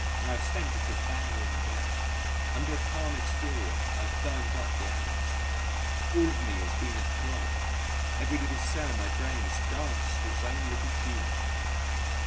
I have spent a devouring day; under a calm exterior I have burnt up the hours; all of me has been athrob; every little cell in my brain has danced to its own little tune.